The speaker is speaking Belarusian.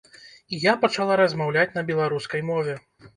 І я пачала размаўляць на беларускай мове.